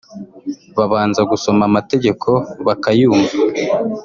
babanza gusoma amategeko bakayumva